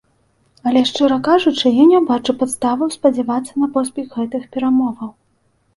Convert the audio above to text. Але, шчыра кажучы, я не бачу падставаў спадзявацца на поспех гэтых перамоваў.